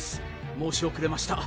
申しおくれました